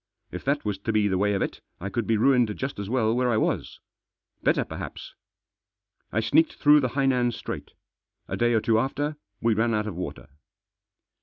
If that was to be the way of it, I could be ruined just as well where I was. Better perhaps. I sneaked thrQUgb Digitized by LUKE'S SUGGESTION. 233 the Hainan Strait A day or two after we ran out of water.